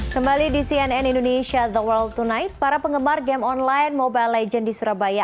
kembali di cnn indonesia the world tonight para penggemar game online mobile legends di surabaya